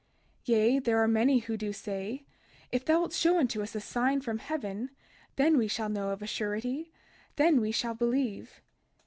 32:17 Yea, there are many who do say: If thou wilt show unto us a sign from heaven, then we shall know of a surety; then we shall believe.